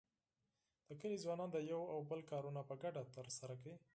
د کلي ځوانان د یو او بل کارونه په ګډه تر سره کوي.